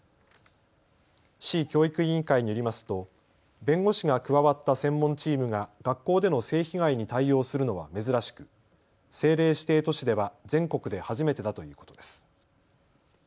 市教育委員会によりますと弁護士が加わった専門チームが学校での性被害に対応するのは珍しく政令指定都市では全国で初めてだということです。